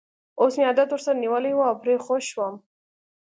اوس مې عادت ورسره نیولی وو او پرې خوښ وم.